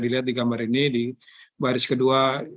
dilihat di gambar ini di baris kedua